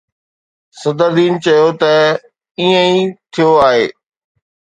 صدرالدين چيو ته ائين ئي ٿيو آهي.